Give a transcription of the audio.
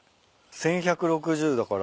１，１６０だから。